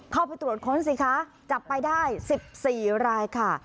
เข้าไปตรวจค้นสิคะจับไปได้๑๔รายค่ะ